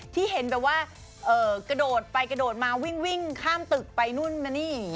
ที่เห็นแบบว่ากระโดดไปกระโดดมาวิ่งข้ามตึกไปนู่นมานี่